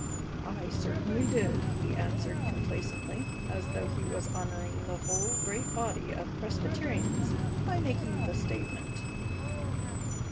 "I certainly did," he answered, complacently, as though he were honoring the whole great body of Presbyterians by making the statement.